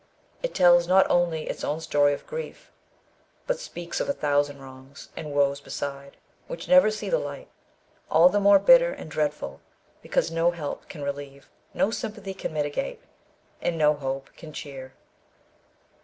It tells not only its own story of grief, but speaks of a thousand wrongs and woes beside, which never see the light; all the more bitter and dreadful, because no help can relieve, no sympathy can mitigate, and no hope can cheer.